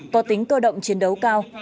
to tính cơ động chiến đấu cao